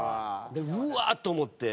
うわーと思って。